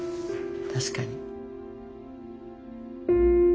確かに。